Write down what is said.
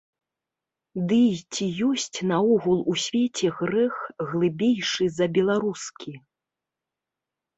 Ды і ці ёсць наогул у свеце грэх, глыбейшы за беларускі?!.